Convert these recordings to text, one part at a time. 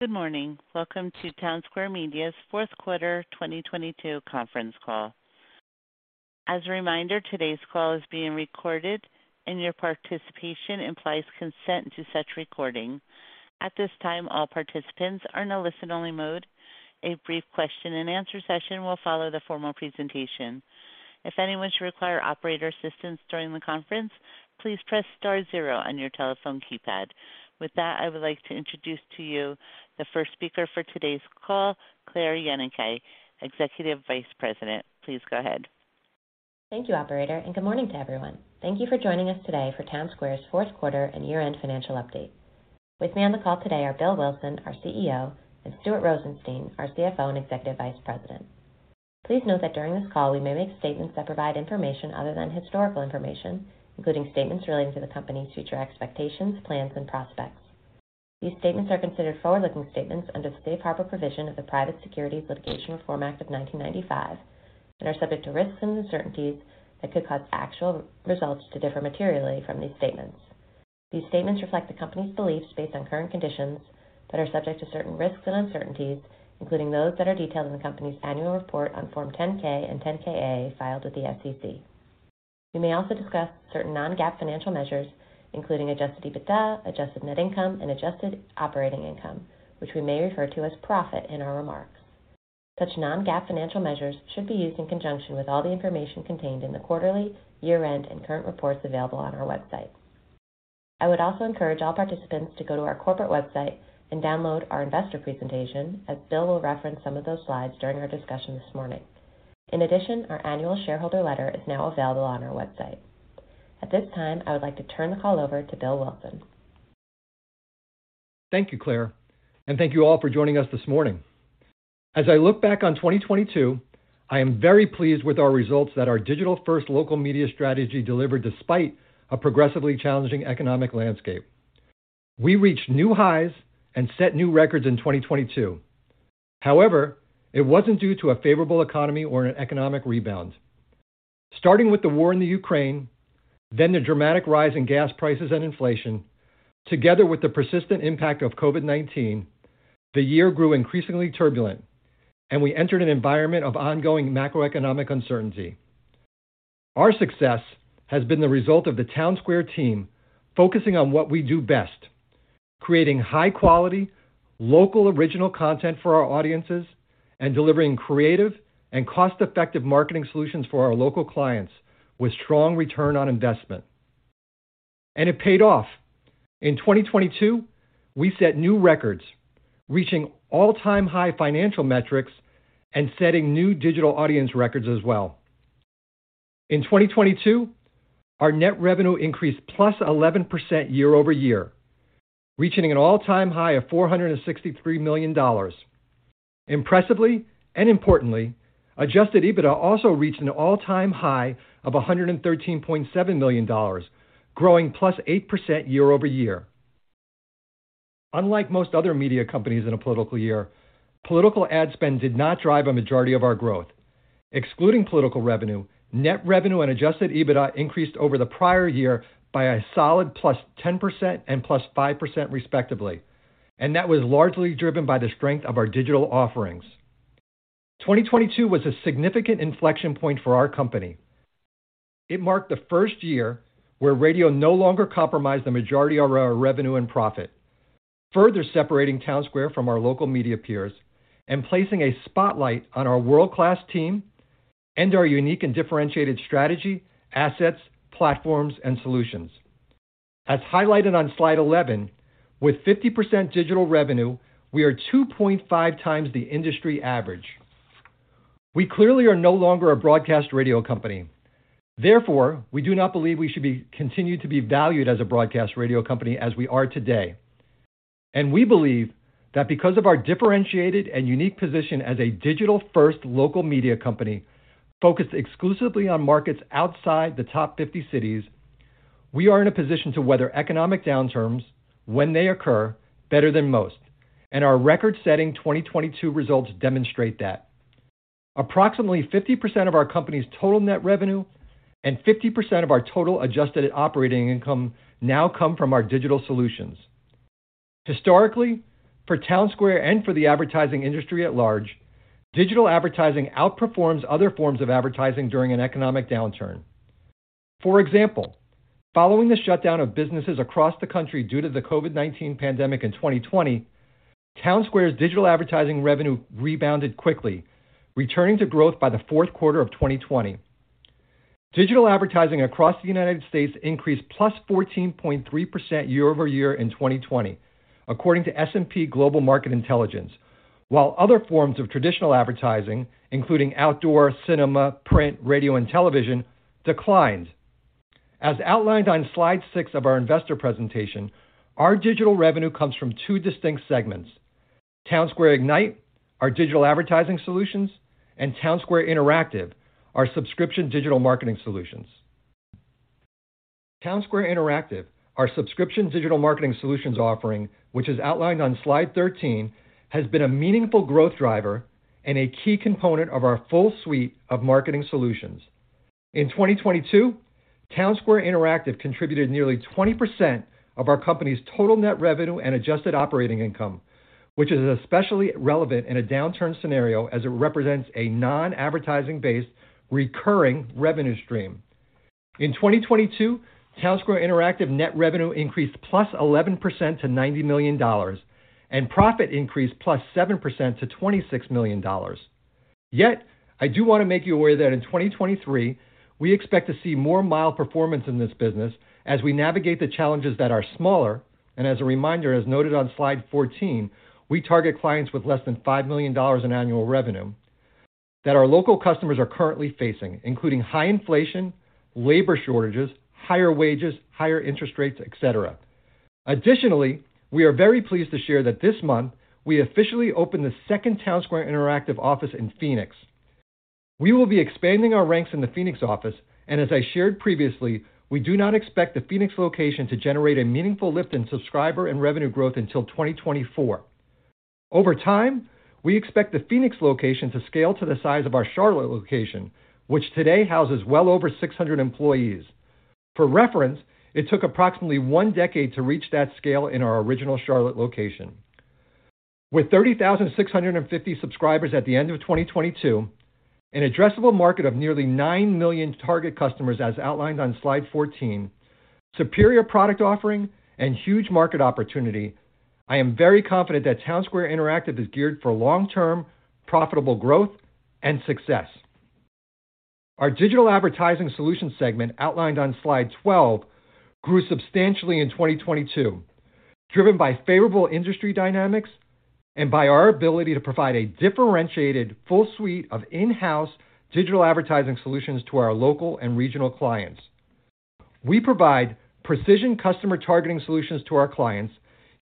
Good morning. Welcome to Townsquare Media's Fourth Quarter 2022 Conference Call. As a reminder, today's call is being recorded, and your participation implies consent to such recording. At this time, all participants are in a listen-only mode. A brief question-and-answer session will follow the formal presentation. If anyone should require operator assistance during the conference, please press star zero on your telephone keypad. With that, I would like to introduce to you the first speaker for today's call, Claire Yenicay, Executive Vice President. Please go ahead. Thank you, operator. Good morning to everyone. Thank you for joining us today for Townsquare's fourth quarter and year-end financial update. With me on the call today are Bill Wilson, our CEO, and Stuart Rosenstein, our CFO and Executive Vice President. Please note that during this call, we may make statements that provide information other than historical information, including statements relating to the company's future expectations, plans, and prospects. These statements are considered forward-looking statements under the Safe Harbor provision of the Private Securities Litigation Reform Act of 1995 and are subject to risks and uncertainties that could cause actual results to differ materially from these statements. These statements reflect the company's beliefs based on current conditions that are subject to certain risks and uncertainties, including those that are detailed in the company's annual report on Form 10-K and 10-K/A filed with the SEC. We may also discuss certain non-GAAP financial measures, including adjusted EBITDA, adjusted net income, and adjusted operating income, which we may refer to as profit in our remarks. Such non-GAAP financial measures should be used in conjunction with all the information contained in the quarterly, year-end, and current reports available on our website. I would also encourage all participants to go to our corporate website and download our investor presentation as Bill will reference some of those slides during our discussion this morning. In addition, our annual shareholder letter is now available on our website. At this time, I would like to turn the call over to Bill Wilson. Thank you, Claire. Thank you all for joining us this morning. As I look back on 2022, I am very pleased with our results that our digital-first local media strategy delivered despite a progressively challenging economic landscape. We reached new highs and set new records in 2022. However, it wasn't due to a favorable economy or an economic rebound. Starting with the war in Ukraine, then the dramatic rise in gas prices and inflation, together with the persistent impact of COVID-19, the year grew increasingly turbulent, and we entered an environment of ongoing macroeconomic uncertainty. Our success has been the result of the Townsquare team focusing on what we do best, creating high quality, local original content for our audiences, and delivering creative and cost-effective marketing solutions for our local clients with strong return on investment. It paid off. In 2022, we set new records, reaching all-time high financial metrics and setting new digital audience records as well. In 2022, our net revenue increased +11% year-over-year, reaching an all-time high of $463 million. Impressively and importantly, adjusted EBITDA also reached an all-time high of $113.7 million, growing +8% year-over-year. Unlike most other media companies in a political year, political ad spend did not drive a majority of our growth. Excluding political revenue, net revenue, and Adjusted EBITDA increased over the prior year by a solid +10% and +5% respectively. That was largely driven by the strength of our digital offerings. 2022 was a significant inflection point for our company. It marked the first year where radio no longer compromised the majority of our revenue and profit, further separating Townsquare from our local media peers and placing a spotlight on our world-class team and our unique and differentiated strategy, assets, platforms, and solutions. As highlighted on slide 11, with 50% digital revenue, we are 2.5x the industry average. We clearly are no longer a broadcast radio company. Therefore, we do not believe we should be continued to be valued as a broadcast radio company as we are today. We believe that because of our differentiated and unique position as a digital-first local media company focused exclusively on markets outside the top 50 cities, we are in a position to weather economic downturns when they occur better than most, and our record-setting 2022 results demonstrate that. Approximately 50% of our company's total net revenue and 50% of our total adjusted operating income now come from our digital solutions. Historically, for Townsquare and for the advertising industry at large, digital advertising outperforms other forms of advertising during an economic downturn. For example, following the shutdown of businesses across the country due to the COVID-19 pandemic in 2020, Townsquare's digital advertising revenue rebounded quickly, returning to growth by the fourth quarter of 2020. Digital advertising across the United States increased +14.3% year-over-year in 2020, according to S&P Global Market Intelligence. While other forms of traditional advertising, including outdoor, cinema, print, radio, and television declined. As outlined on slide six of our investor presentation, our digital revenue comes from two distinct segments, Townsquare Ignite, our digital advertising solutions, and Townsquare Interactive, our subscription digital marketing solutions. Townsquare Interactive, our subscription digital marketing solutions offering, which is outlined on slide 13, has been a meaningful growth driver and a key component of our full suite of marketing solutions. In 2022, Townsquare Interactive contributed nearly 20% of our company's total net revenue and adjusted operating income, which is especially relevant in a downturn scenario as it represents a non-advertising based recurring revenue stream. In 2022, Townsquare Interactive net revenue increased +11% to $90 million and profit increased +7% to $26 million. I do wanna make you aware that in 2023, we expect to see more mild performance in this business as we navigate the challenges that are smaller, and as a reminder, as noted on slide 14, we target clients with less than $5 million in annual revenue, that our local customers are currently facing, including high inflation, labor shortages, higher wages, higher interest rates, et cetera. Additionally, we are very pleased to share that this month, we officially opened the second Townsquare Interactive office in Phoenix. We will be expanding our ranks in the Phoenix office, and as I shared previously, we do not expect the Phoenix location to generate a meaningful lift in subscriber and revenue growth until 2024. Over time, we expect the Phoenix location to scale to the size of our Charlotte location, which today houses well over 600 employees. For reference, it took approximately one decade to reach that scale in our original Charlotte location. With 30,650 subscribers at the end of 2022, an addressable market of nearly 9 million target customers as outlined on slide 14, superior product offering and huge market opportunity, I am very confident that Townsquare Interactive is geared for long-term, profitable growth and success. Our digital advertising solutions segment outlined on slide 12 grew substantially in 2022, driven by favorable industry dynamics and by our ability to provide a differentiated full suite of in-house digital advertising solutions to our local and regional clients. We provide precision customer targeting solutions to our clients,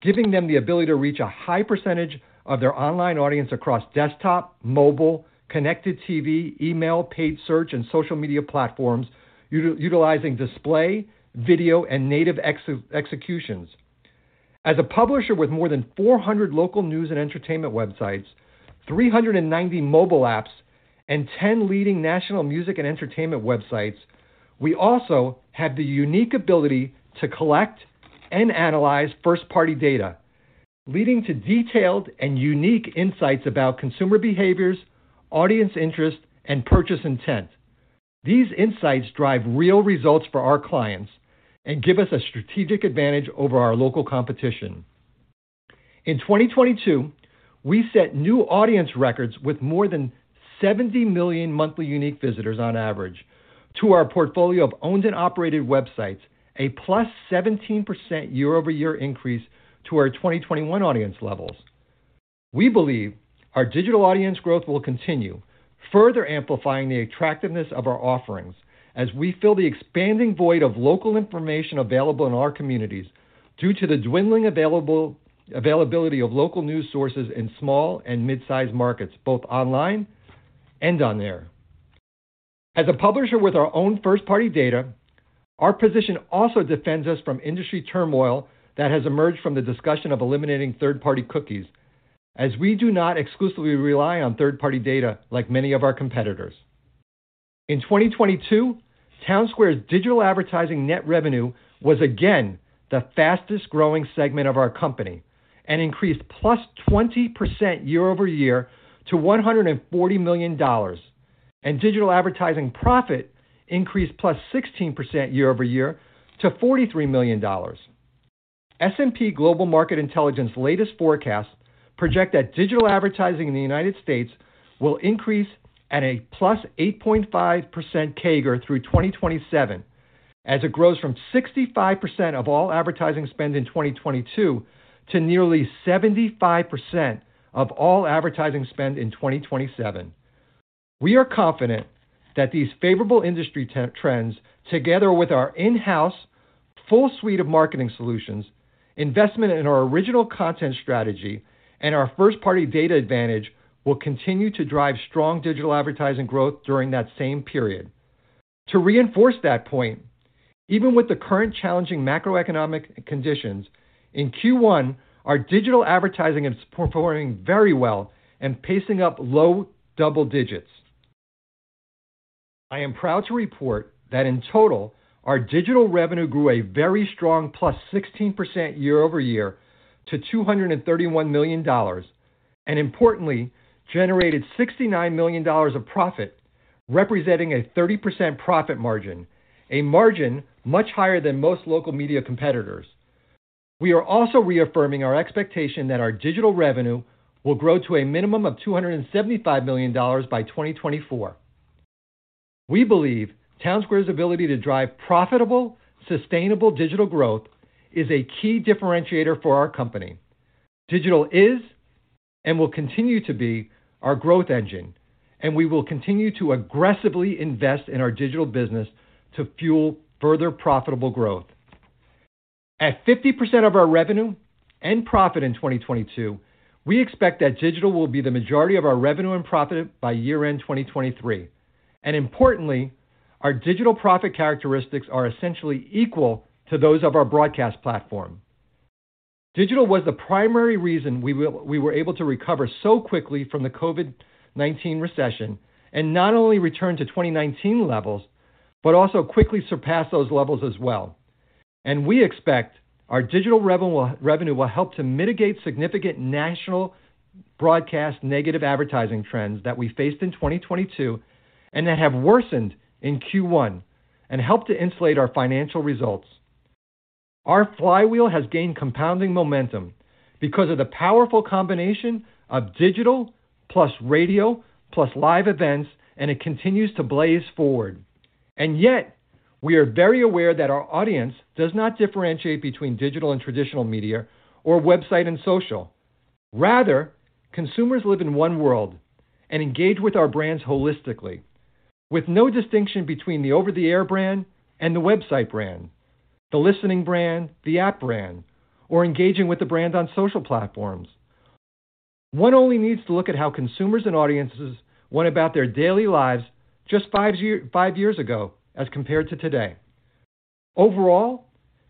giving them the ability to reach a high percentage of their online audience across desktop, mobile, connected TV, email, paid search, and social media platforms, utilizing display, video, and native executions. As a publisher with more than 400 local news and entertainment websites, 390 mobile apps, and 10 leading national music and entertainment websites, we also have the unique ability to collect and analyze first-party data, leading to detailed and unique insights about consumer behaviors, audience interest, and purchase intent. These insights drive real results for our clients and give us a strategic advantage over our local competition. In 2022, we set new audience records with more than 70 million monthly unique visitors on average to our portfolio of owned and operated websites, a +17% year-over-year increase to our 2021 audience levels. We believe our digital audience growth will continue, further amplifying the attractiveness of our offerings as we fill the expanding void of local information available in our communities due to the dwindling availability of local news sources in small and mid-sized markets, both online and on air. As a publisher with our own first-party data, our position also defends us from industry turmoil that has emerged from the discussion of eliminating third-party cookies, as we do not exclusively rely on third-party data like many of our competitors. In 2022, Townsquare's digital advertising net revenue was again the fastest growing segment of our company and increased +20% year-over-year to $140 million, and digital advertising profit increased +16% year-over-year to $43 million. S&P Global Market Intelligence latest forecast project that digital advertising in the United States will increase at a +8.5% CAGR through 2027 as it grows from 65% of all advertising spend in 2022 to nearly 75% of all advertising spend in 2027. We are confident that these favorable industry trends, together with our in-house full suite of marketing solutions, investment in our original content strategy, and our first-party data advantage, will continue to drive strong digital advertising growth during that same period. To reinforce that point, even with the current challenging macroeconomic conditions, in Q1, our digital advertising is performing very well and pacing up low double digits. I am proud to report that in total, our digital revenue grew a very strong +16% year-over-year to $231 million, and importantly, generated $69 million of profit, representing a 30% profit margin, a margin much higher than most local media competitors. We are also reaffirming our expectation that our digital revenue will grow to a minimum of $275 million by 2024. We believe Townsquare's ability to drive profitable, sustainable digital growth is a key differentiator for our company. Digital is and will continue to be our growth engine, and we will continue to aggressively invest in our digital business to fuel further profitable growth. At 50% of our revenue and profit in 2022, we expect that digital will be the majority of our revenue and profit by year-end 2023. Importantly, our digital profit characteristics are essentially equal to those of our broadcast platform. Digital was the primary reason we were able to recover so quickly from the COVID-19 recession and not only return to 2019 levels, but also quickly surpass those levels as well. We expect our digital revenue will help to mitigate significant national broadcast negative advertising trends that we faced in 2022 and that have worsened in Q1 and help to insulate our financial results. Our flywheel has gained compounding momentum because of the powerful combination of digital plus radio plus live events, and it continues to blaze forward. Yet, we are very aware that our audience does not differentiate between digital and traditional media or website and social. Rather, consumers live in one world and engage with our brands holistically with no distinction between the over-the-air brand and the website brand, the listening brand, the app brand, or engaging with the brand on social platforms. One only needs to look at how consumers and audiences went about their daily lives just 5 years ago as compared to today. Overall,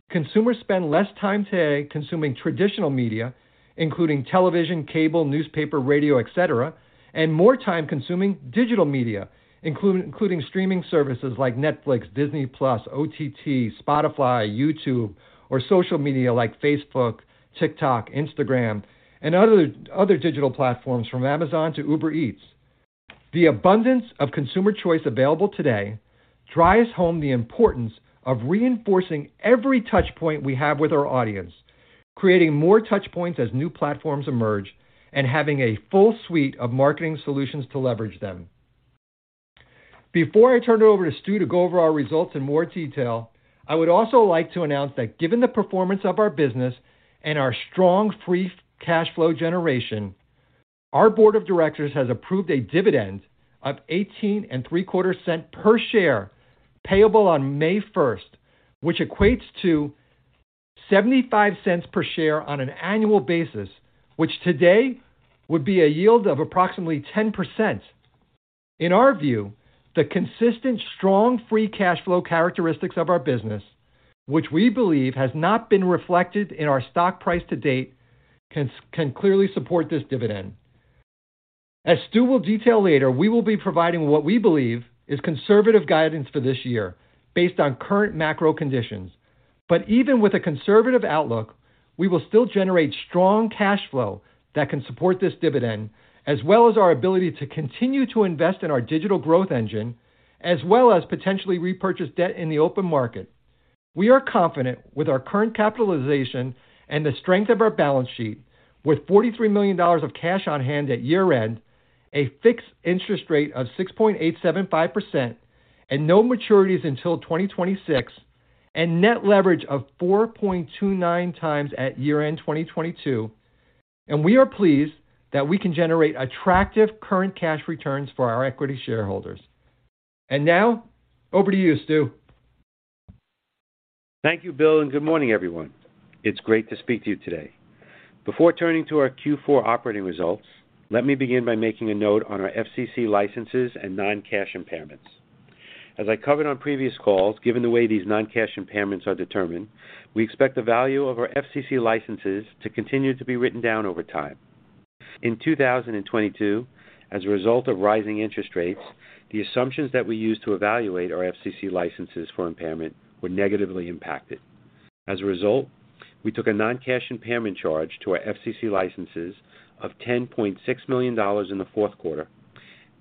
consumers spend less time today consuming traditional media, including television, cable, newspaper, radio, et cetera, and more time consuming digital media, including streaming services like Netflix, Disney+, OTT, Spotify, YouTube, or social media like Facebook, TikTok, Instagram, and other digital platforms from Amazon to Uber Eats. The abundance of consumer choice available today drives home the importance of reinforcing every touch point we have with our audience, creating more touch points as new platforms emerge and having a full suite of marketing solutions to leverage them. Before I turn it over to Stu to go over our results in more detail, I would also like to announce that given the performance of our business and our strong free cash flow generation, our board of directors has approved a dividend of $0.1875 per share payable on May first, which equates to $0.75 per share on an annual basis, which today would be a yield of approximately 10%. In our view, the consistent strong free cash flow characteristics of our business, which we believe has not been reflected in our stock price to date, can clearly support this dividend. As Stu will detail later, we will be providing what we believe is conservative guidance for this year based on current macro conditions. Even with a conservative outlook, we will still generate strong cash flow that can support this dividend, as well as our ability to continue to invest in our digital growth engine, as well as potentially repurchase debt in the open market. We are confident with our current capitalization and the strength of our balance sheet with $43 million of cash on hand at year-end, a fixed interest rate of 6.875%, and no maturities until 2026, and net leverage of 4.29x at year-end 2022, and we are pleased that we can generate attractive current cash returns for our equity shareholders. Now over to you, Stu. Thank you, Bill. Good morning, everyone. It's great to speak to you today. Before turning to our Q4 operating results, let me begin by making a note on our FCC licenses and non-cash impairments. As I covered on previous calls, given the way these non-cash impairments are determined, we expect the value of our FCC licenses to continue to be written down over time. In 2022, as a result of rising interest rates, the assumptions that we used to evaluate our FCC licenses for impairment were negatively impacted. As a result, we took a non-cash impairment charge to our FCC licenses of $10.6 million in the fourth quarter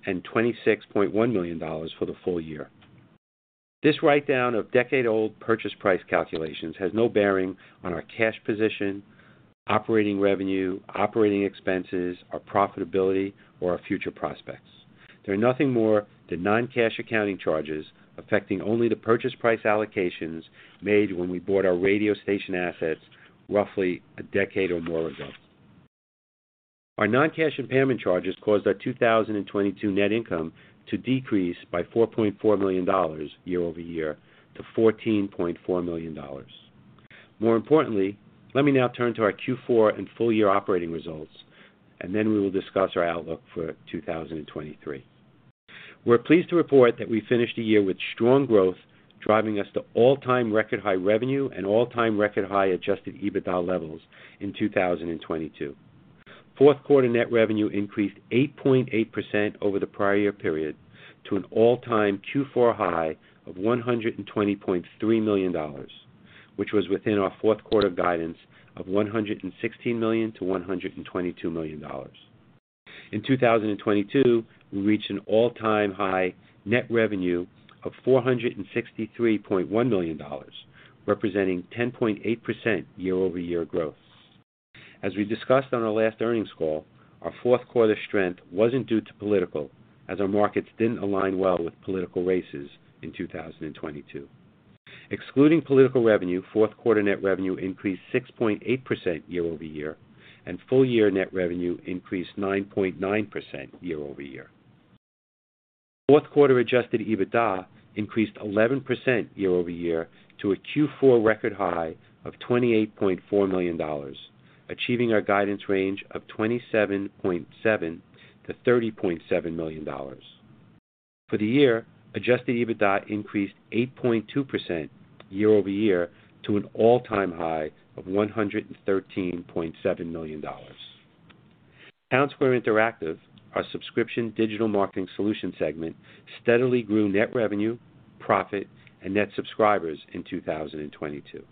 and $26.1 million for the full year. This write down of decade-old purchase price calculations has no bearing on our cash position, operating revenue, operating expenses, our profitability, or our future prospects. They're nothing more than non-cash accounting charges affecting only the purchase price allocations made when we bought our radio station assets roughly a decade or more ago. Our non-cash impairment charges caused our 2022 net income to decrease by $4.4 million year-over-year to $14.4 million. More importantly, let me now turn to our Q4 and full-year operating results, and then we will discuss our outlook for 2023. We're pleased to report that we finished the year with strong growth, driving us to all-time record high revenue and all-time record high adjusted EBITDA levels in 2022. Fourth quarter net revenue increased 8.8% over the prior year period to an all-time Q4 high of $120.3 million, which was within our fourth quarter guidance of $116 million-$122 million. In 2022, we reached an all-time high net revenue of $463.1 million, representing 10.8% year-over-year growth. As we discussed on our last earnings call, our fourth quarter strength wasn't due to political, as our markets didn't align well with political races in 2022. Excluding political revenue, fourth quarter net revenue increased 6.8% year-over-year, and full year net revenue increased 9.9% year-over-year. Fourth quarter adjusted EBITDA increased 11% year-over-year to a Q4 record high of $28.4 million, achieving our guidance range of $27.7 million-$30.7 million. For the year, adjusted EBITDA increased 8.2% year-over-year to an all-time high of $113.7 million. Townsquare Interactive, our subscription digital marketing solution segment, steadily grew net revenue, profit and net subscribers in 2022.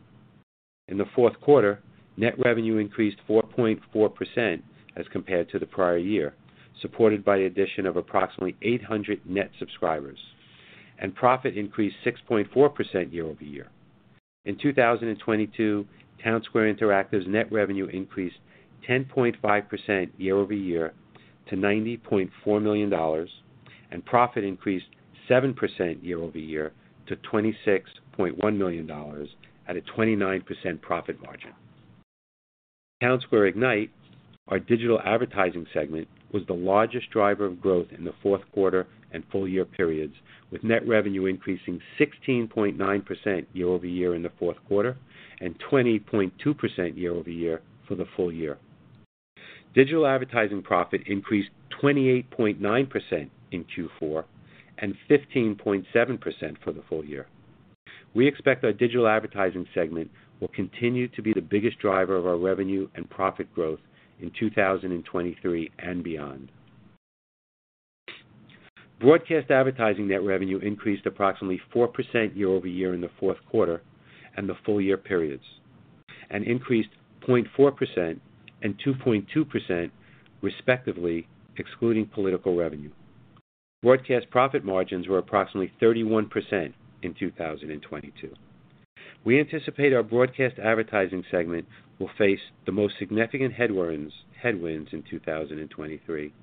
In the fourth quarter, net revenue increased 4.4% as compared to the prior year, supported by the addition of approximately 800 net subscribers, and profit increased 6.4% year-over-year. In 2022, Townsquare Interactive's net revenue increased 10.5% year-over-year to $90.4 million, and profit increased 7% year-over-year to $26.1 million at a 29% profit margin. Townsquare Ignite, our digital advertising segment, was the largest driver of growth in the fourth quarter and full year periods, with net revenue increasing 16.9% year-over-year in the fourth quarter and 20.2% year-over-year for the full year. Digital advertising profit increased 28.9% in Q4 and 15.7% for the full year. We expect our digital advertising segment will continue to be the biggest driver of our revenue and profit growth in 2023 and beyond. Broadcast advertising net revenue increased approximately 4% year-over-year in the fourth quarter and the full year periods, and increased 0.4% and 2.2% respectively excluding political revenue. Broadcast profit margins were approximately 31% in 2022. We anticipate our broadcast advertising segment will face the most significant headwinds in 2023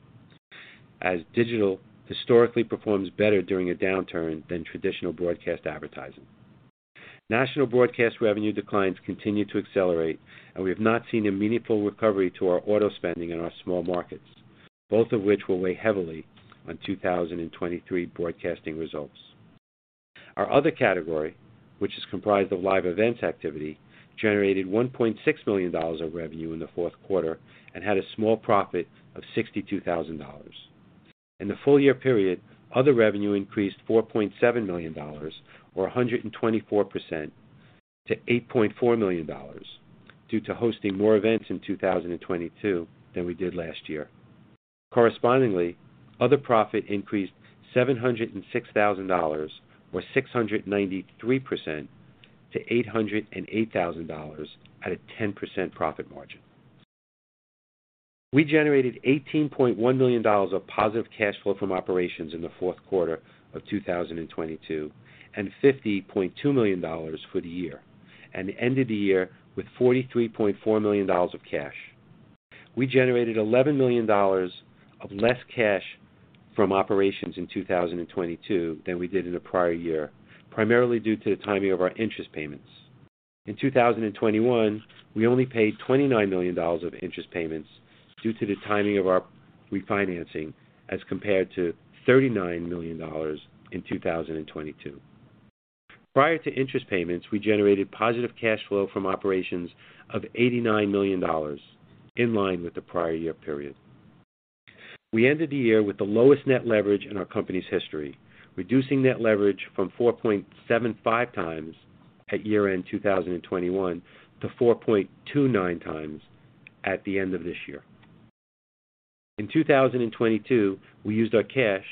as digital historically performs better during a downturn than traditional broadcast advertising. National broadcast revenue declines continue to accelerate and we have not seen a meaningful recovery to our auto spending in our small markets, both of which will weigh heavily on 2023 broadcasting results. Our other category, which is comprised of live events activity, generated $1.6 million of revenue in the fourth quarter and had a small profit of $62,000. In the full year period, other revenue increased $4.7 million, or 124% to $8.4 million due to hosting more events in 2022 than we did last year. Correspondingly, other profit increased $706,000, or 693% to $808,000 at a 10% profit margin. We generated $18.1 million of positive cash flow from operations in the fourth quarter of 2022, and $50.2 million for the year. Ended the year with $43.4 million of cash. We generated $11 million of less cash from operations in 2022 than we did in the prior year, primarily due to the timing of our interest payments. In 2021, we only paid $29 million of interest payments due to the timing of our refinancing, as compared to $39 million in 2022. Prior to interest payments, we generated positive cash flow from operations of $89 million, in line with the prior year period. We ended the year with the lowest net leverage in our company's history, reducing net leverage from 4.75x at year-end 2021 to 4.29x at the end of this year. In 2022, we used our cash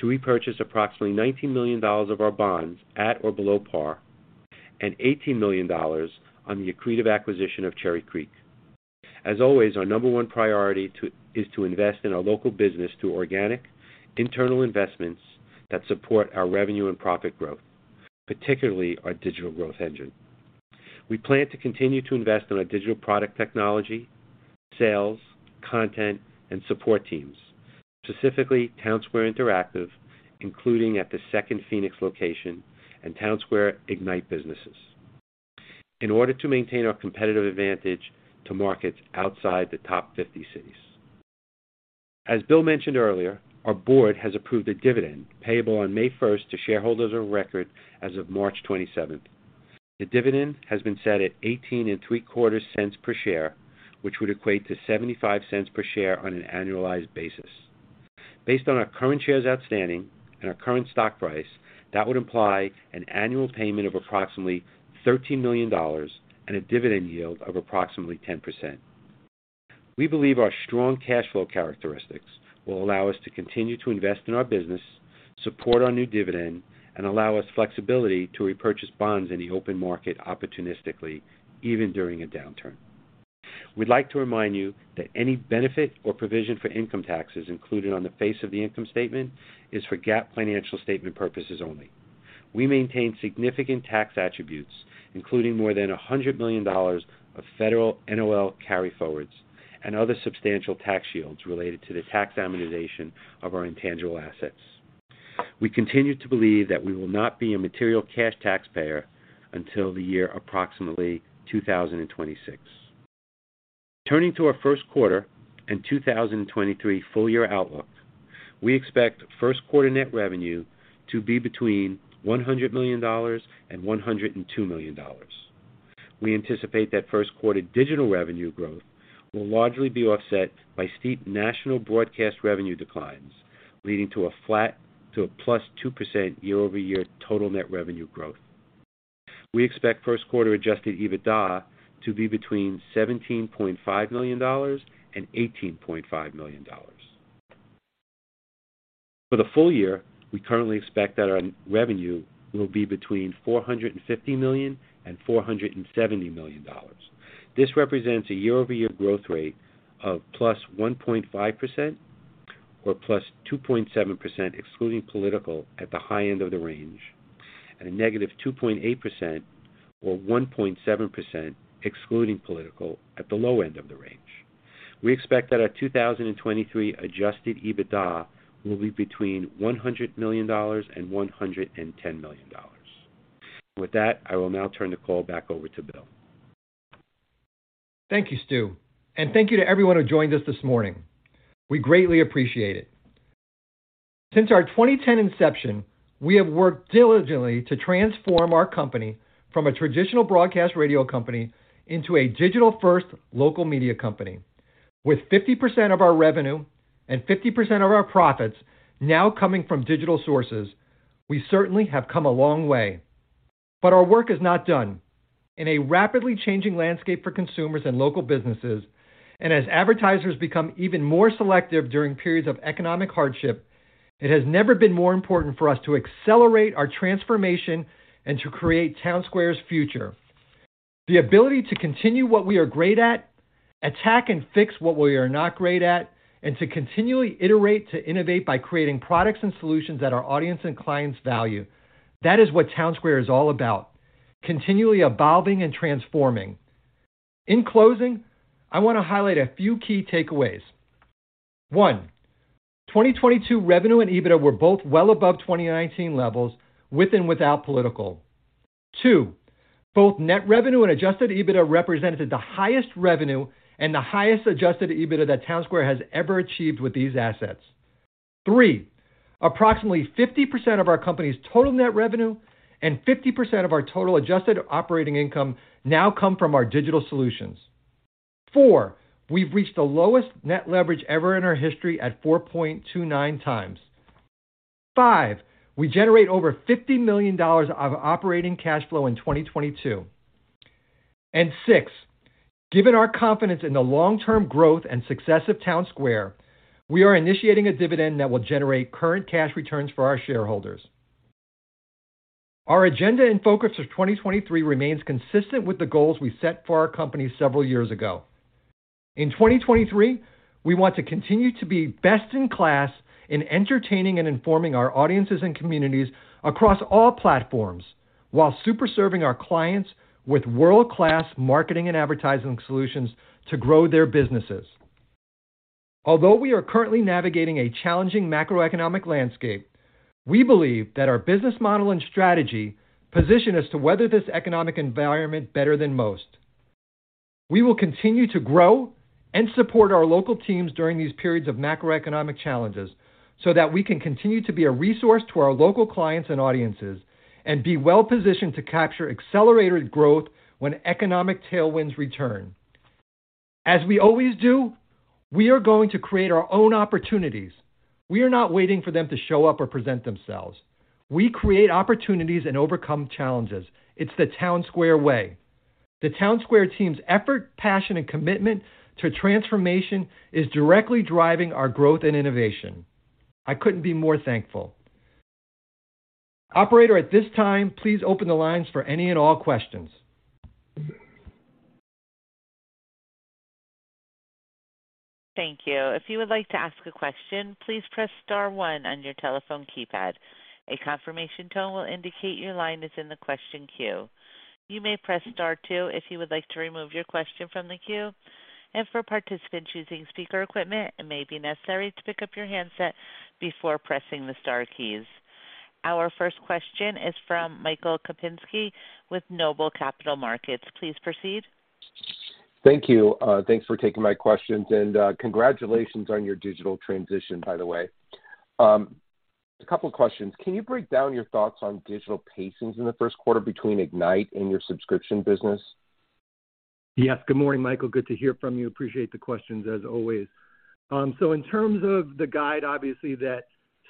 to repurchase approximately $19 million of our bonds at or below par, and $18 million on the accretive acquisition of Cherry Creek. As always, our number one priority is to invest in our local business through organic internal investments that support our revenue and profit growth, particularly our digital growth engine. We plan to continue to invest in our digital product technology, sales, content, and support teams, specifically Townsquare Interactive, including at the second Phoenix location and Townsquare Ignite businesses in order to maintain our competitive advantage to markets outside the top 50 cities. As Bill mentioned earlier, our board has approved a dividend payable on May 1st to shareholders of record as of March 27th. The dividend has been set at 18 and three quarters cents per share, which would equate to $0.75 per share on an annualized basis. Based on our current shares outstanding and our current stock price, that would imply an annual payment of approximately $13 million and a dividend yield of approximately 10%. We believe our strong cash flow characteristics will allow us to continue to invest in our business, support our new dividend, and allow us flexibility to repurchase bonds in the open market opportunistically, even during a downturn. We'd like to remind you that any benefit or provision for income taxes included on the face of the income statement is for GAAP financial statement purposes only. We maintain significant tax attributes, including more than $100 million of federal NOL carryforwards and other substantial tax shields related to the tax amortization of our intangible assets. We continue to believe that we will not be a material cash taxpayer until the year approximately 2026. Turning to our first quarter and 2023 full year outlook. We expect first quarter net revenue to be between $100 million and $102 million. We anticipate that first quarter digital revenue growth will largely be offset by steep national broadcast revenue declines, leading to a flat to a +2% year-over-year total net revenue growth. We expect first quarter adjusted EBITDA to be between $17.5 million and $18.5 million. For the full year, we currently expect that our revenue will be between $450 million and $470 million. This represents a year-over-year growth rate of +1.5% or +2.7% excluding political at the high end of the range, and a -2.8% or 1.7% excluding political at the low end of the range. We expect that our 2023 adjusted EBITDA will be between $100 million and $110 million. With that, I will now turn the call back over to Bill. Thank you, Stu, thank you to everyone who joined us this morning. We greatly appreciate it. Since our 2010 inception, we have worked diligently to transform our company from a traditional broadcast radio company into a digital-first local media company. With 50% of our revenue and 50% of our profits now coming from digital sources, we certainly have come a long way, but our work is not done. In a rapidly changing landscape for consumers and local businesses, and as advertisers become even more selective during periods of economic hardship, it has never been more important for us to accelerate our transformation and to create Townsquare's future. The ability to continue what we are great at, attack and fix what we are not great at, and to continually iterate to innovate by creating products and solutions that our audience and clients value. That is what Townsquare is all about, continually evolving and transforming. In closing, I want to highlight a few key takeaways. One, 2022 revenue and EBITDA were both well above 2019 levels, with and without political. Two, both net revenue and adjusted EBITDA represented the highest revenue and the highest adjusted EBITDA that Townsquare has ever achieved with these assets. Three, approximately 50% of our company's total net revenue and 50% of our total adjusted operating income now come from our digital solutions. Four, we've reached the lowest net leverage ever in our history at 4.29x. Five, we generate over $50 million of operating cash flow in 2022. Six, given our confidence in the long-term growth and success of Townsquare, we are initiating a dividend that will generate current cash returns for our shareholders. Our agenda and focus for 2023 remains consistent with the goals we set for our company several years ago. In 2023, we want to continue to be best in class in entertaining and informing our audiences and communities across all platforms while super serving our clients with world-class marketing and advertising solutions to grow their businesses. Although we are currently navigating a challenging macroeconomic landscape, we believe that our business model and strategy position us to weather this economic environment better than most. We will continue to grow and support our local teams during these periods of macroeconomic challenges so that we can continue to be a resource to our local clients and audiences and be well positioned to capture accelerated growth when economic tailwinds return. As we always do, we are going to create our own opportunities. We are not waiting for them to show up or present themselves. We create opportunities and overcome challenges. It's the Townsquare way. The Townsquare team's effort, passion, and commitment to transformation is directly driving our growth and innovation. I couldn't be more thankful. Operator, at this time, please open the lines for any and all questions. Thank you. If you would like to ask a question, please press star one on your telephone keypad. A confirmation tone will indicate your line is in the question queue. You may press star two if you would like to remove your question from the queue. For participants using speaker equipment, it may be necessary to pick up your handset before pressing the star keys. Our first question is from Michael Kupinski with Noble Capital Markets. Please proceed. Thank you. Thanks for taking my questions. Congratulations on your digital transition, by the way. A couple questions. Can you break down your thoughts on digital pacings in the first quarter between Ignite and your subscription business? Yes. Good morning, Michael. Good to hear from you. Appreciate the questions, as always. In terms of the guide, obviously, that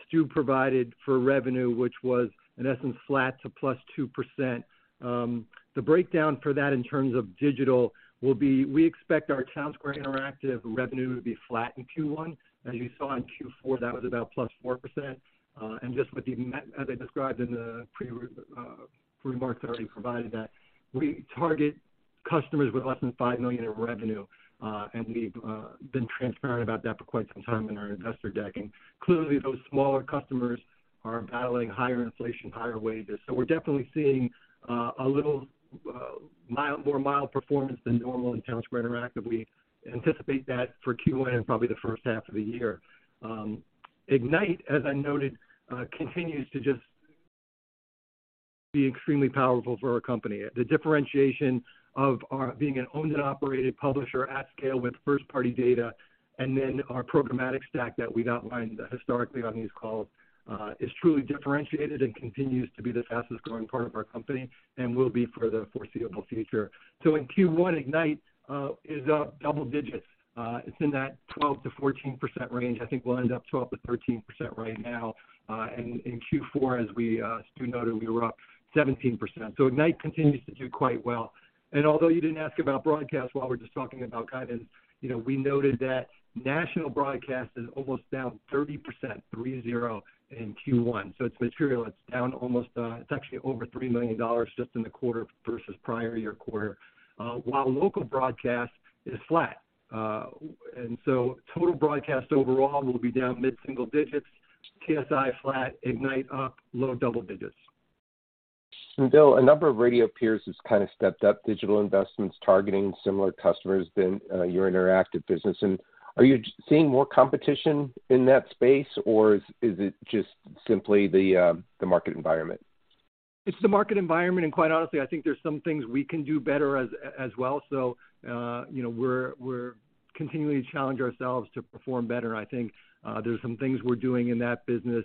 Stu provided for revenue, which was in essence flat to +2%, the breakdown for that in terms of digital will be, we expect our Townsquare Interactive revenue to be flat in Q1. As you saw in Q4, that was about +4%. Just as I described in the pre remarks that I already provided, that we target customers with less than $5 million in revenue, and we've been transparent about that for quite some time in our investor deck. Clearly, those smaller customers are battling higher inflation, higher wages. We're definitely seeing a little more mild performance than normal in Townsquare Interactive. We anticipate that for Q1 and probably the first half of the year. Ignite, as I noted, continues to just Be extremely powerful for our company. The differentiation of our being an owned and operated publisher at scale with first-party data, and then our programmatic stack that we've outlined historically on these calls, is truly differentiated and continues to be the fastest-growing part of our company and will be for the foreseeable future. In Q1, Townsquare Ignite is up double digits. It's in that 12%-14% range. I think we'll end up 12%-13% right now. In Q4, as Stu noted, we were up 17%. Townsquare Ignite continues to do quite well. Although you didn't ask about broadcast, while we're just talking about guidance, you know, we noted that national broadcast is almost down 30%, 30, in Q1, so it's material. It's down almost... it's actually over $3 million just in the quarter versus prior year quarter. While local broadcast is flat. Total broadcast overall will be down mid-single digits. TSI flat, Ignite up low double digits. Bill, a number of radio peers has kind of stepped up digital investments targeting similar customers than your Interactive business. Are you seeing more competition in that space, or is it just simply the market environment? It's the market environment, and quite honestly, I think there's some things we can do better as well. You know, we're continually challenge ourselves to perform better. I think there's some things we're doing in that business,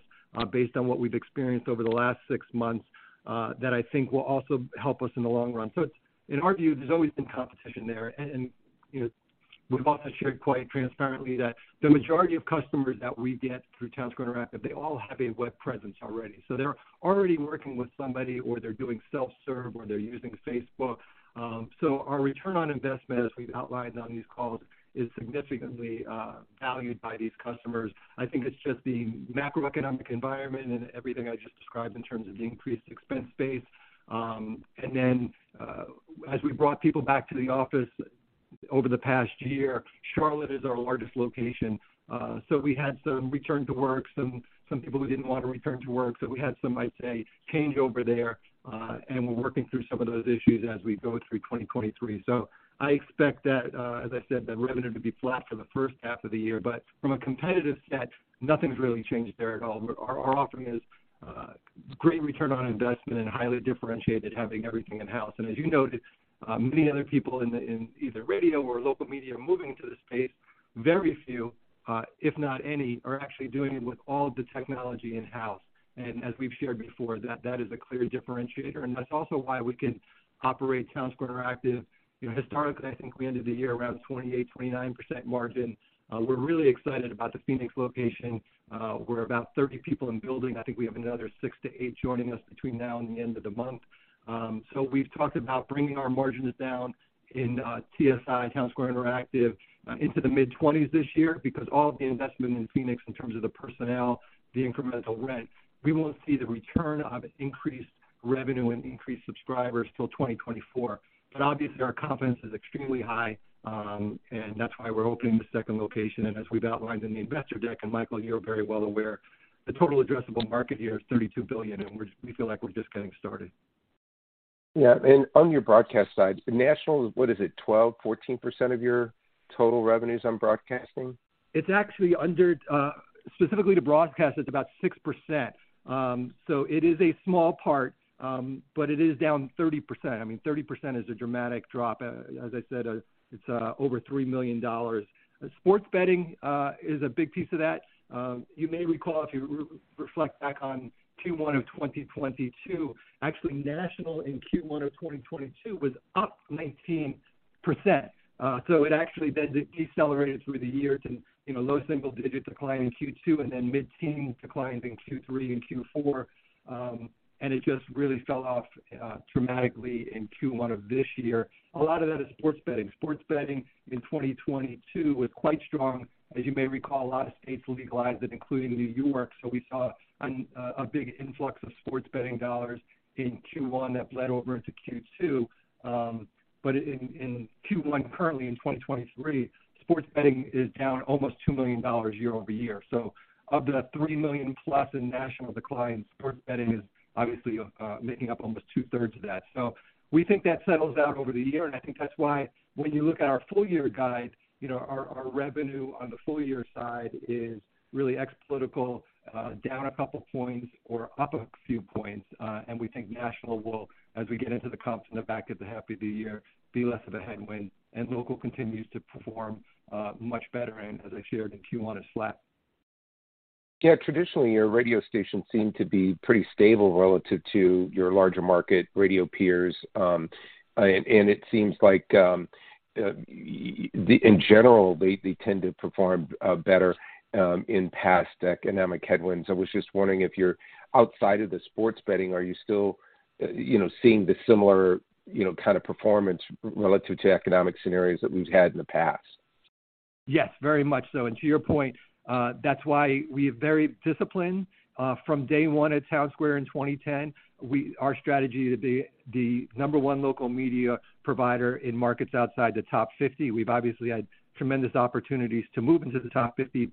based on what we've experienced over the last six months that I think will also help us in the long run. In our view, there's always been competition there. You know, we've also shared quite transparently that the majority of customers that we get through Townsquare Interactive, they all have a web presence already. They're already working with somebody, or they're doing self-serve, or they're using Facebook. Our return on investment, as we've outlined on these calls, is significantly valued by these customers. I think it's just the macroeconomic environment and everything I just described in terms of the increased expense base. As we brought people back to the office over the past year, Charlotte is our largest location, so we had some return to work, some people who didn't wanna return to work, so we had some, I'd say, changeover there, and we're working through some of those issues as we go through 2023. I expect that, as I said, the revenue to be flat for the first half of the year. From a competitive set, nothing's really changed there at all. Our offering is great ROI and highly differentiated, having everything in-house. As you noted, many other people in either radio or local media are moving to the space. Very few, if not any, are actually doing it with all the technology in-house. As we've shared before, that is a clear differentiator, and that's also why we can operate Townsquare Interactive. You know, historically, I think we ended the year around 28%, 29% margin. We're really excited about the Phoenix location. We're about 30 people in building. I think we have another six-eight joining us between now and the end of the month. We've talked about bringing our margins down in TSI, Townsquare Interactive, into the mid-20s this year because all of the investment in Phoenix in terms of the personnel, the incremental rent, we won't see the return of increased revenue and increased subscribers till 2024. Obviously, our confidence is extremely high, and that's why we're opening the second location. As we've outlined in the investor deck, and Michael, you're very well aware, the total addressable market here is $32 billion, and we feel like we're just getting started. Yeah. On your broadcast side, national, what is it, 12%, 14% of your total revenues on broadcasting? It's actually under specifically to broadcast, it's about 6%. It is a small part, but it is down 30%. I mean, 30% is a dramatic drop. As I said, it's over $3 million. Sports betting is a big piece of that. You may recall, if you reflect back on Q1 of 2022, actually national in Q1 of 2022 was up 19%. It actually then decelerated through the year to, you know, low single-digit decline in Q2 and then mid-teen declines in Q3 and Q4. It just really fell off dramatically in Q1 of this year. A lot of that is sports betting. Sports betting in 2022 was quite strong. As you may recall, a lot of states legalized it, including New York, so we saw a big influx of sports betting dollars in Q1 that bled over into Q2. In Q1, currently in 2023, sports betting is down almost $2 million year-over-year. Of the $3 million+ in national declines, sports betting is obviously making up almost 2/3 of that. We think that settles out over the year, and I think that's why when you look at our full year guide, you know, our revenue on the full year side is really ex political, down a couple points or up a few points. We think national will, as we get into the comps in the back of the happy new year, be less of a headwind. local continues to perform, much better, and as I shared in Q1, is flat. Yeah. Traditionally, your radio stations seem to be pretty stable relative to your larger market radio peers. It seems like, in general, they tend to perform better in past economic headwinds. I was just wondering if outside of the sports betting, are you still, you know, seeing the similar, you know, kind of performance relative to economic scenarios that we've had in the past? Yes, very much so. To your point, that's why we are very disciplined. From day one at Townsquare in 2010, our strategy to be the number one local media provider in markets outside the top 50. We've obviously had tremendous opportunities to move into the top 50,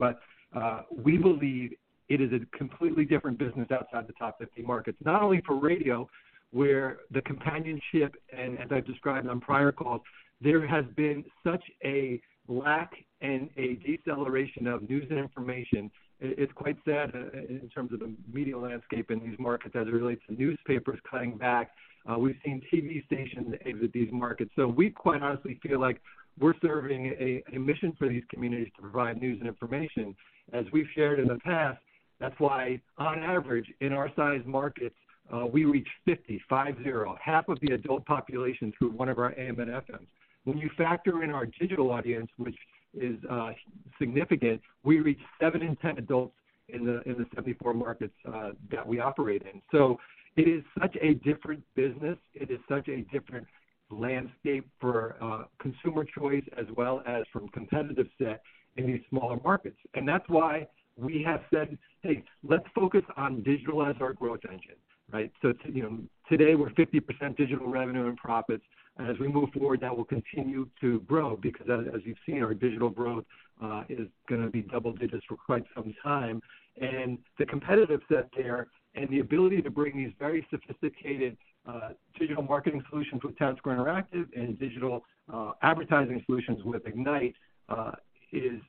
we believe it is a completely different business outside the top 50 markets, not only for radio, where the companionship, and as I've described on prior calls, there has been such a lack and a deceleration of news and information. It's quite sad in terms of the media landscape in these markets as it relates to newspapers cutting back. We've seen TV stations exit these markets. We quite honestly feel like we're serving a mission for these communities to provide news and information. As we've shared in the past. That's why on average, in our size markets, we reach 50, half of the adult population through one of our AM and FMs. When you factor in our digital audience, which is significant, we reach seven in 10 adults in the 74 markets that we operate in. It is such a different business. It is such a different landscape for consumer choice as well as from competitive set in these smaller markets. That's why we have said, "Hey, let's focus on digital as our growth engine." Right? To, you know, today we're 50% digital revenue and profits. As we move forward, that will continue to grow because as you've seen, our digital growth is gonna be double digits for quite some time. The competitive set there and the ability to bring these very sophisticated digital marketing solutions with Townsquare Interactive and digital advertising solutions with Ignite is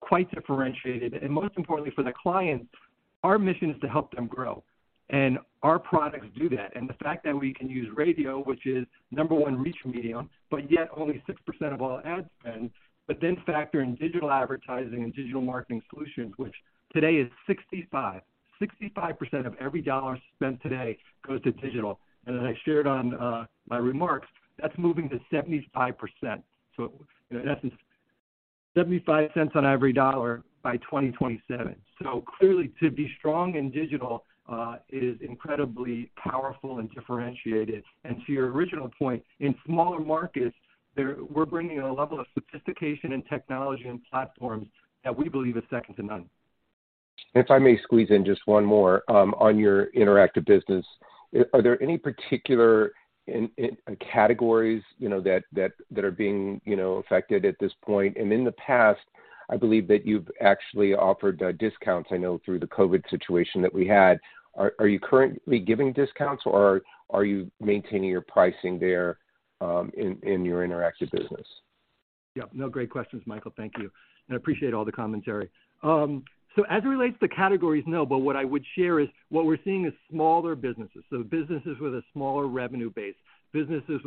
quite differentiated. Most importantly for the clients, our mission is to help them grow, and our products do that. The fact that we can use radio, which is number one reach medium, but yet only 6% of all ad spend, but then factor in digital advertising and digital marketing solutions, which today is 65. 65% of every dollar spent today goes to digital. As I shared on my remarks, that's moving to 75%. In essence, $0.75 on every dollar by 2027. Clearly, to be strong in digital is incredibly powerful and differentiated. To your original point, in smaller markets, we're bringing a level of sophistication and technology and platforms that we believe is second to none. If I may squeeze in just one more, on your interactive business. Are there any particular in categories, you know, that are being, you know, affected at this point? In the past, I believe that you've actually offered, discounts, I know, through the COVID situation that we had. Are you currently giving discounts or are you maintaining your pricing there, in your interactive business? Yeah. No, great questions, Michael. Thank you. I appreciate all the commentary. As it relates to categories, no. What I would share is what we're seeing is smaller businesses. Businesses with a smaller revenue base, businesses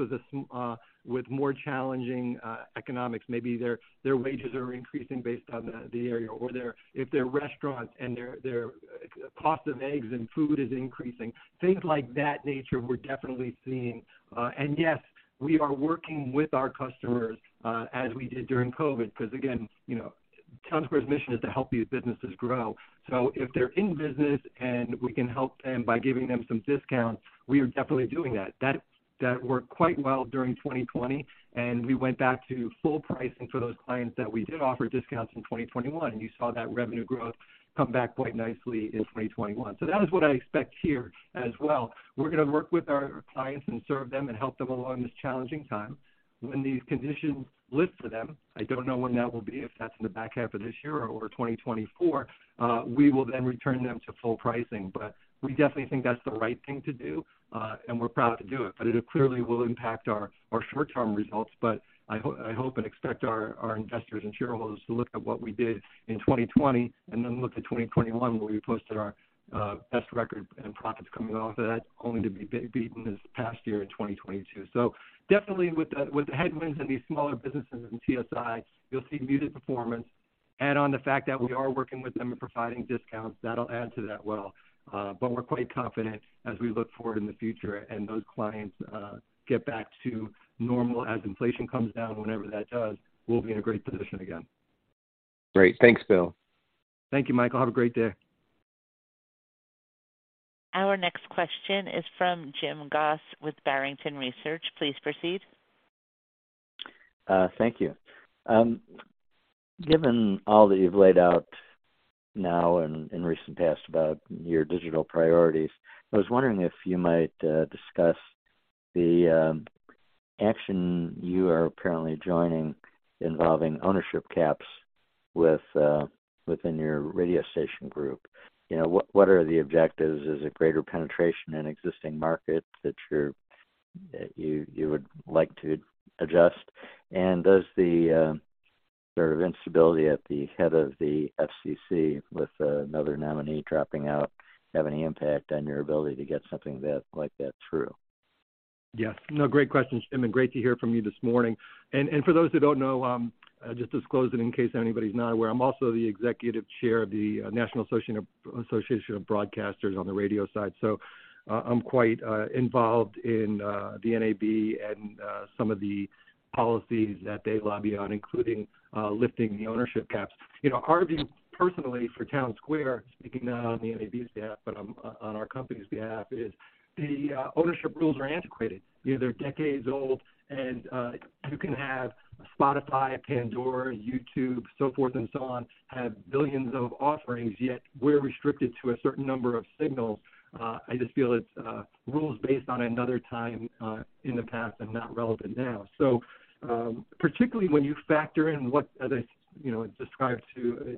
with more challenging economics. Maybe their wages are increasing based on the area or if they're restaurants and their cost of eggs and food is increasing. Things like that nature we're definitely seeing. Yes, we are working with our customers, as we did during COVID because again, you know, Townsquare's mission is to help these businesses grow. If they're in business and we can help them by giving them some discounts, we are definitely doing that. That worked quite well during 2020. We went back to full pricing for those clients that we did offer discounts in 2021. You saw that revenue growth come back quite nicely in 2021. That is what I expect here as well. We're gonna work with our clients and serve them and help them along this challenging time. When these conditions lift for them, I don't know when that will be, if that's in the back half of this year or 2024, we will then return them to full pricing. We definitely think that's the right thing to do. We're proud to do it. It clearly will impact our short-term results. I hope and expect our investors and shareholders to look at what we did in 2020 and then look to 2021 where we posted our best record and profits coming off of that, only to be beaten this past year in 2022. Definitely with headwinds in these smaller businesses in TSI, you'll see muted performance. Add on the fact that we are working with them and providing discounts, that'll add to that well. We're quite confident as we look forward in the future and those clients get back to normal as inflation comes down. Whenever that does, we'll be in a great position again. Great. Thanks, Bill. Thank you, Michael. Have a great day. Our next question is from Jim Goss with Barrington Research. Please proceed. Thank you. Given all that you've laid out now and in recent past about your digital priorities, I was wondering if you might discuss the action you are apparently joining involving ownership caps with within your radio station group. You know, what are the objectives? Is it greater penetration in existing markets that you would like to adjust? Does the sort of instability at the head of the FCC with another nominee dropping out have any impact on your ability to get something like that through? Yes. No, great question, Jim, and great to hear from you this morning. For those who don't know, just disclosing in case anybody's not aware, I'm also the executive chair of the National Association of Broadcasters on the radio side. I'm quite involved in the NAB and some of the policies that they lobby on, including lifting the ownership caps. You know, our view personally for Townsquare, speaking not on the NAB's behalf, but on our company's behalf, is the ownership rules are antiquated, you know. They're decades old and you can have a Spotify, a Pandora, a YouTube, so forth and so on, have billions of offerings, yet we're restricted to a certain number of signals. I just feel it's rules based on another time in the past and not relevant now. Particularly when you factor in what, as I, you know, described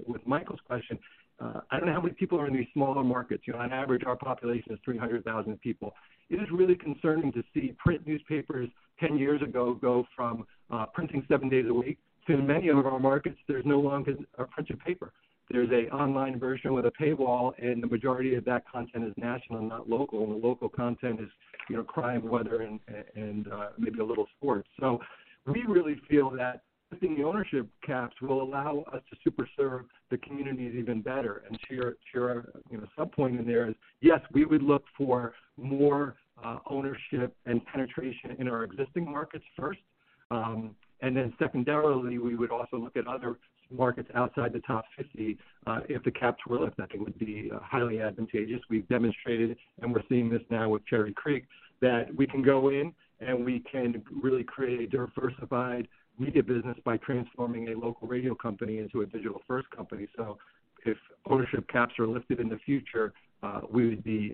with Michael's question, I don't know how many people are in these smaller markets. You know, on average, our population is 300,000 people. It is really concerning to see print newspapers 10 years ago go from printing seven days a week to in many of our markets, there's no longer a printed paper. There's a online version with a paywall, the majority of that content is national, not local. The local content is, you know, crime, weather, and maybe a little sports. We really feel that lifting the ownership caps will allow us to super serve the communities even better. To your, you know, sub point in there is, yes, we would look for more ownership and penetration in our existing markets first. Secondarily, we would also look at other markets outside the top 50, if the caps were lifted, I think it would be highly advantageous. We've demonstrated, and we're seeing this now with Cherry Creek, that we can go in, and we can really create a diversified media business by transforming a local radio company into a digital-first company. If ownership caps are lifted in the future, we would be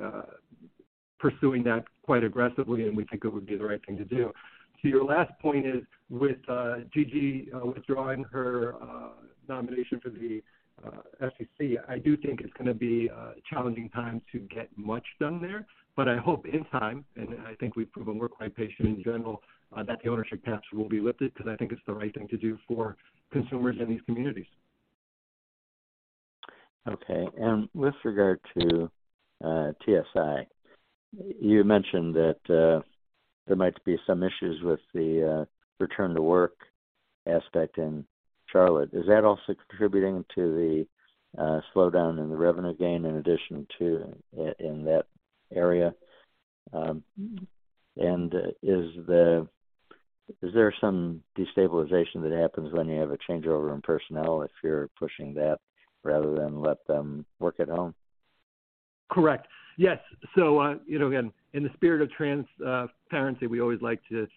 pursuing that quite aggressively, and we think it would be the right thing to do. To your last point is, with Gigi withdrawing her nomination for the FCC, I do think it's gonna be a challenging time to get much done there. I hope in time, and I think we've proven we're quite patient in general, that the ownership caps will be lifted because I think it's the right thing to do for consumers in these communities. Okay. With regard to TSI, you mentioned that there might be some issues with the return to work aspect in Charlotte. Is that also contributing to the slowdown in the revenue gain in addition to in that area? Is there some destabilization that happens when you have a changeover in personnel if you're pushing that rather than let them work at home? Correct. Yes. You know, again, in the spirit of transparency, we always like to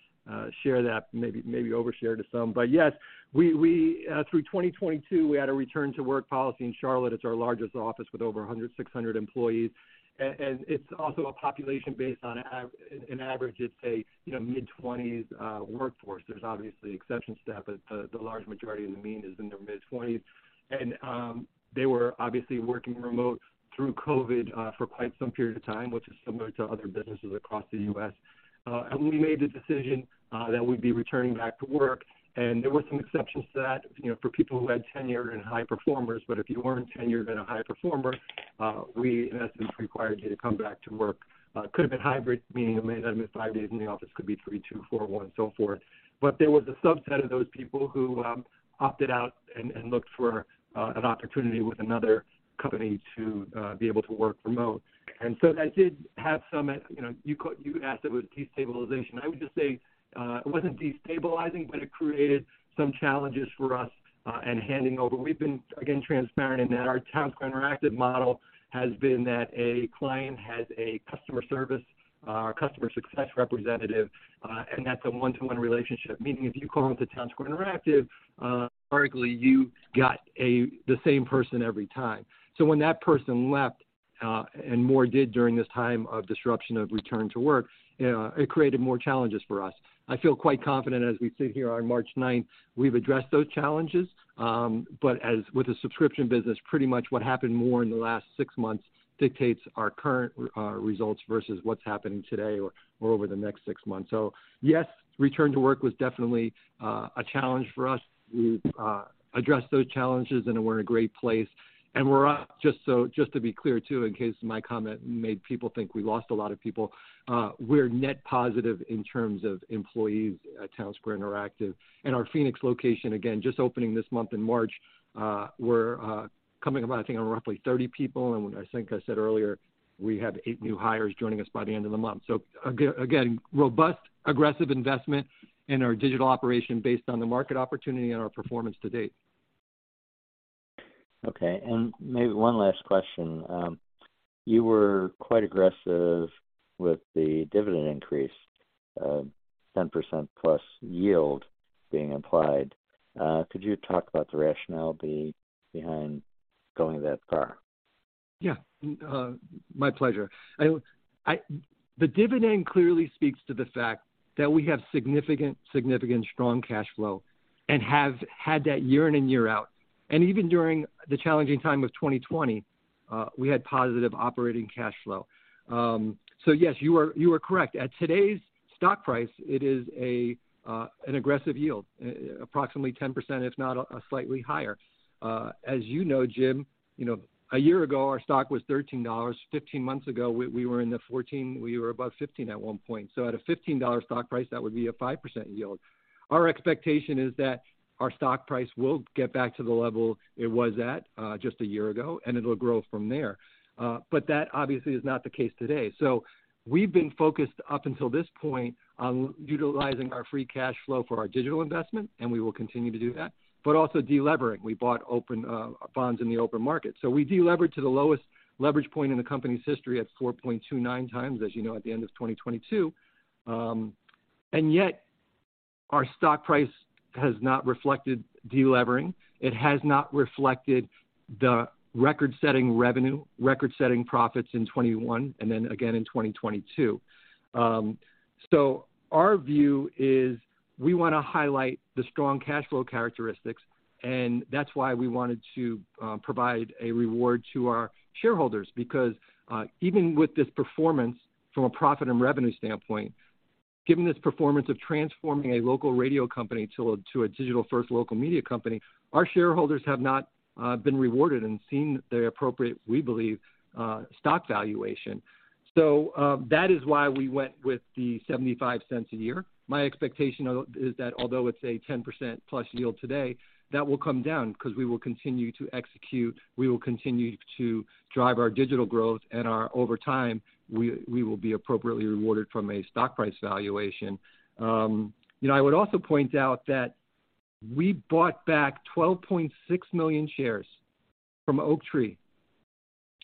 share that, maybe overshare to some. Yes, we, through 2022, we had a return to work policy in Charlotte. It's our largest office with over 100 and 600 employees. It's also a population based on an average it's a, you know, mid-20s workforce. There's obviously exceptions to that, but the large majority of the mean is in their mid-20s. They were obviously working remote through COVID for quite some period of time, which is similar to other businesses across the U.S. We made the decision that we'd be returning back to work, and there were some exceptions to that, you know, for people who had tenure and high performers. If you weren't tenured and a high performer, we in essence required you to come back to work. It could have been hybrid, meaning it may not have been five days in the office, it could be three, two, four, one, so forth. There was a subset of those people who opted out and looked for an opportunity with another company to be able to work remote. That did have some, you know, you asked if it was a destabilization. I would just say, it wasn't destabilizing, but it created some challenges for us in handing over. We've been, again, transparent in that our Townsquare Interactive model has been that a client has a customer service, customer success representative, and that's a one-to-one relationship. Meaning if you call into Townsquare Interactive, arguably, you got the same person every time. When that person left, and more did during this time of disruption of return to work, it created more challenges for us. I feel quite confident as we sit here on March 9th, we've addressed those challenges. As with the subscription business, pretty much what happened more in the last six months dictates our current results versus what's happening today or over the next six months. Yes, return to work was definitely a challenge for us. We've addressed those challenges, and we're in a great place. We're up, just to be clear too, in case my comment made people think we lost a lot of people, we're net positive in terms of employees at Townsquare Interactive. Our Phoenix location, again, just opening this month in March, we're coming about I think on roughly 30 people. I think I said earlier, we have 8 new hires joining us by the end of the month. Again, robust, aggressive investment in our digital operation based on the market opportunity and our performance to date. Okay. Maybe one last question. You were quite aggressive with the dividend increase of 10%+ yield being applied. Could you talk about the rationale behind going that far? My pleasure. The dividend clearly speaks to the fact that we have significant strong cash flow and have had that year in and year out. Even during the challenging time of 2020, we had positive operating cash flow. Yes, you are correct. At today's stock price, it is an aggressive yield, approximately 10%, if not slightly higher. As you know, Jim, you know, a year ago, our stock was $13. 15 months ago, we were in the 14, we were above 15 at one point. At a $15 stock price, that would be a 5% yield. Our expectation is that our stock price will get back to the level it was at just a year ago, and it'll grow from there. But that obviously is not the case today. We've been focused up until this point on utilizing our free cash flow for our digital investment, and we will continue to do that, but also de-levering. We bought open bonds in the open market. We de-levered to the lowest leverage point in the company's history at 4.29x, as you know, at the end of 2022. Yet our stock price has not reflected de-levering. It has not reflected the record-setting revenue, record-setting profits in 2021 and then again in 2022. Our view is we wanna highlight the strong cash flow characteristics, and that's why we wanted to provide a reward to our shareholders. Even with this performance from a profit and revenue standpoint, given this performance of transforming a local radio company to a digital-first local media company, our shareholders have not been rewarded and seen the appropriate, we believe, stock valuation. That is why we went with the $0.75 a year. My expectation is that although it's a 10%+ yield today, that will come down 'cause we will continue to execute, we will continue to drive our digital growth and our over time, we will be appropriately rewarded from a stock price valuation. You know, I would also point out that we bought back 12.6 million shares from Oaktree,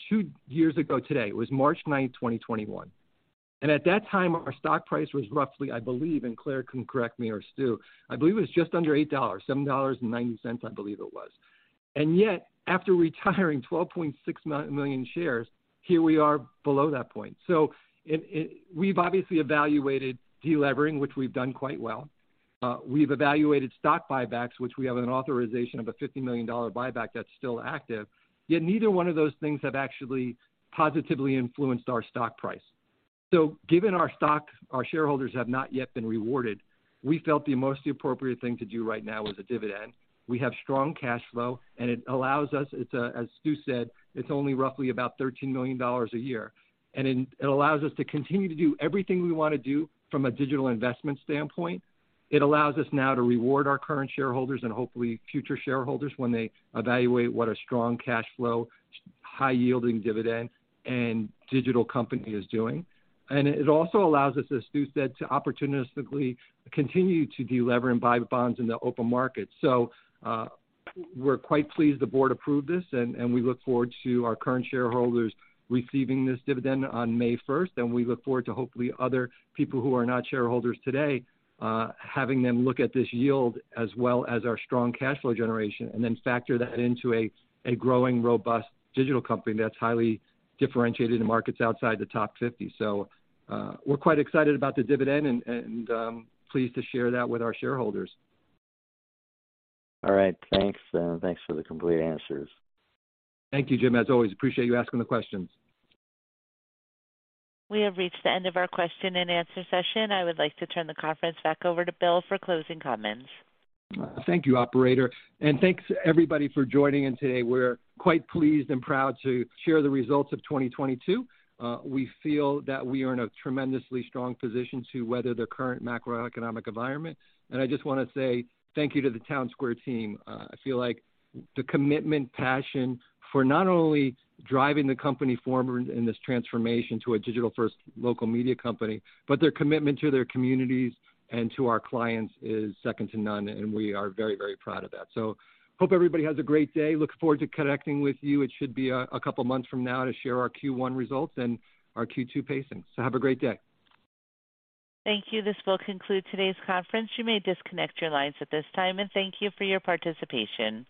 two years ago today, it was March 9, 2021, and at that time, our stock price was roughly, I believe, and Claire can correct me, or Stu, I believe it was just under $8, $7.90, I believe it was. Yet, after retiring 12.6 million shares, here we are below that point. It, we've obviously evaluated delevering, which we've done quite well. We've evaluated stock buybacks, which we have an authorization of a $50 million buyback that's still active. Yet neither one of those things have actually positively influenced our stock price. Given our stock, our shareholders have not yet been rewarded, we felt the most appropriate thing to do right now was a dividend. We have strong cash flow, it allows us, as Stu said, it's only roughly about $13 million a year. It allows us to continue to do everything we wanna do from a digital investment standpoint. It allows us now to reward our current shareholders and hopefully future shareholders when they evaluate what a strong cash flow, high yielding dividend and digital company is doing. It also allows us, as Stu said, to opportunistically continue to delever and buy bonds in the open market. We're quite pleased the board approved this and we look forward to our current shareholders receiving this dividend on May first, and we look forward to hopefully other people who are not shareholders today, having them look at this yield as well as our strong cash flow generation, and then factor that into a growing, robust digital company that's highly differentiated in markets outside the top 50. We're quite excited about the dividend and, pleased to share that with our shareholders. All right. Thanks. Thanks for the complete answers. Thank you, Jim, as always. Appreciate you asking the questions. We have reached the end of our question-and-answer session. I would like to turn the conference back over to Bill for closing comments. Thank you, operator. Thanks everybody for joining in today. We're quite pleased and proud to share the results of 2022. We feel that we are in a tremendously strong position to weather the current macroeconomic environment. I just wanna say thank you to the Townsquare team. I feel like the commitment, passion for not only driving the company forward in this transformation to a digital-first local media company, but their commitment to their communities and to our clients is second to none, and we are very, very proud of that. Hope everybody has a great day. Look forward to connecting with you. It should be a couple months from now to share our Q1 results and our Q2 pacing. Have a great day. Thank you. This will conclude today's conference. You may disconnect your lines at this time, and thank you for your participation.